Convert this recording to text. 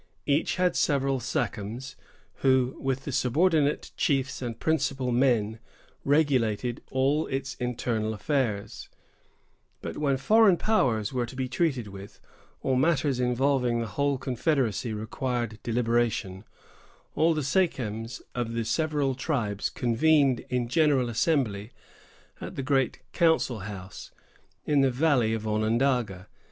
Each had several sachems, who, with the subordinate chiefs and principal men, regulated all its internal affairs; but, when foreign powers were to be treated with, or matters involving the whole confederacy required deliberation, all the sachems of the several tribes convened in general assembly at the great council house, in the Valley of Onondaga.